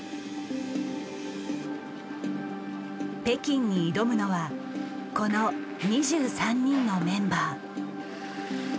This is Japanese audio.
北京に挑むのはこの２３人のメンバー。